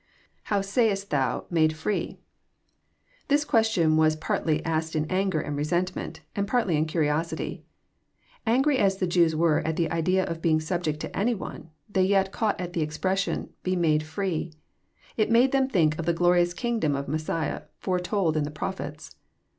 {^How sayest thou.. .made free f\ This question was partly asked in anger and resentment, and partly in curiosity. Angry as the Jews were at the idea of being subject to any one, they yet caught at the expression be made Aree." It made them think of the glorious kingdom of Messiah foretold in the Prophets.